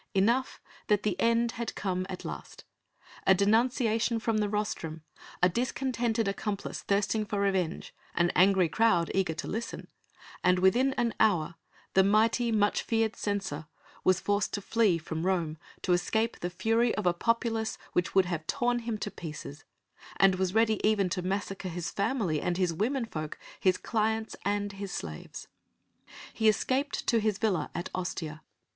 Enough that the end had come at last. A denunciation from the rostrum, a discontented accomplice thirsting for revenge, an angry crowd eager to listen, and within an hour the mighty, much feared censor was forced to flee from Rome to escape the fury of a populace which would have torn him to pieces, and was ready even to massacre his family and his womenfolk, his clients and his slaves. He escaped to his villa at Ostia.